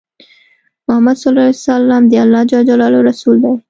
محمد صلی الله عليه وسلم د الله جل جلاله رسول دی۔